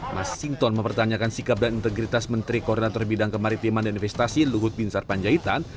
mas sinton mempertanyakan sikap dan integritas menteri koordinator bidang kemaritiman dan investasi luhut binsar panjaitan